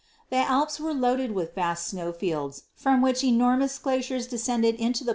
The Alps were loaded with vast snow fields, from which enormous glaciers descended into the plains on Fig.